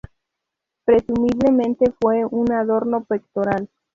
Presumiblemente fue un adorno pectoral.